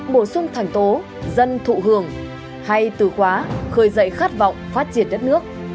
bổ sung thành tố dân thụ hưởng hay từ khóa khơi dậy khát vọng phát triển đất nước